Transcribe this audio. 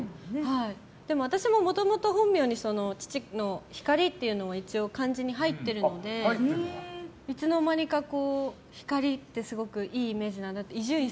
でも私ももともと本名に父の光っていうのを一応、漢字に入っているのでいつの間にか光ってすごくいいイメージなんだって。